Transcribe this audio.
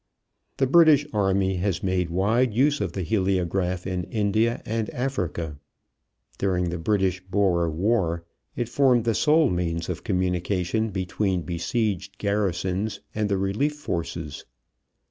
The British army has made wide use of the heliograph in India and Africa. During the British Boer War It formed the sole means of communication between besieged garrisons and the relief forces.